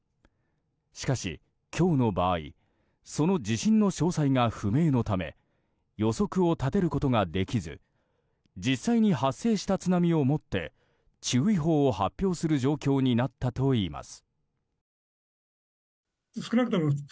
しかし、今日の場合その地震の詳細が不明のため予測を立てることができず実際に発生した津波をもって注意報を発表する状況になったといいます。